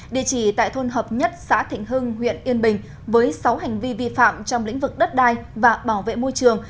địa chỉ tại thôn hợp nhất xã thịnh hưng huyện yên bình với sáu hành vi vi phạm trong lĩnh vực đất đai và bảo vệ môi trường